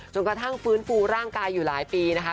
กระทั่งฟื้นฟูร่างกายอยู่หลายปีนะคะ